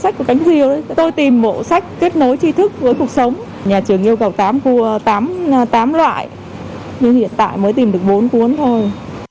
nhưng hiện tại mới tìm được bốn cuốn thôi